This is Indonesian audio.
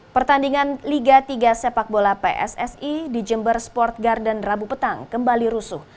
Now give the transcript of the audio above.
pertandingan liga tiga sepak bola pssi di jember sport garden rabu petang kembali rusuh